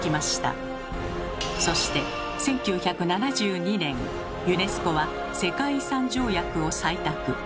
そして１９７２年ユネスコは「世界遺産条約」を採択。